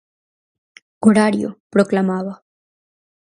Horario, proclamaba.